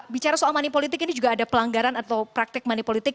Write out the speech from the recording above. bicara soal manipolitik ini juga ada pelanggaran atau praktik manipolitik